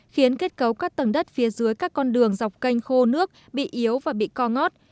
khiến kết cấu các tầng đất phía dưới các con đường dọc canh khô nước bị yếu và bị co ngót